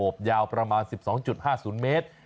ยาวประมาณ๑๒๕๐เมตร